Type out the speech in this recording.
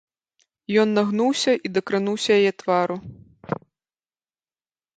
Ён нагнуўся і дакрануўся яе твару.